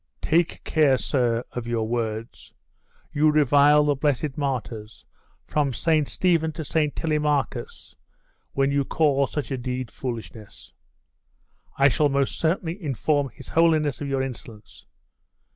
'Take care, sir, of your words. You revile the blessed martyrs, from St. Stephen to St. Telemachus, when you call such a deed foolishness.' 'I shall most certainly inform his holiness of your insolence.